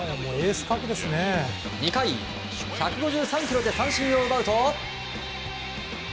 ２回１５３キロで三振を奪うと。